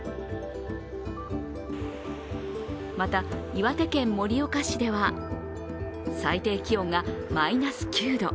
また、岩手県盛岡市では最低気温がマイナス９度。